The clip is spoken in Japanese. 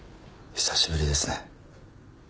久しぶりですね。